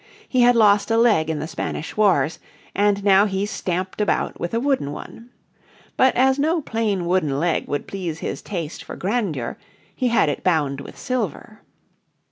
He had lost a leg in the Spanish Wars, and now he stamped about with a wooden one. But as no plain wooden leg would please his taste for grandeur he had it bound with silver.